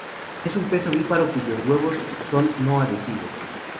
Es un pez ovíparo cuyos huevos son no adhesivos.